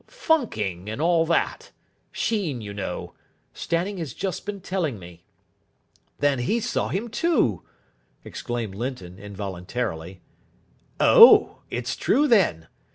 "Funking, and all that. Sheen, you know. Stanning has just been telling me." "Then he saw him, too!" exclaimed Linton, involuntarily. "Oh, it's true, then?